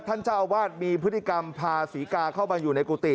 ท่านเจ้าอาวาสมีพฤติกรรมพาศรีกาเข้ามาอยู่ในกุฏิ